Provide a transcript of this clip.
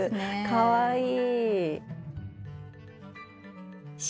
かわいい！